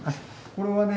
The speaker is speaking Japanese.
これはね